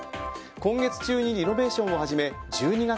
今月中にリノベーションを始め１２月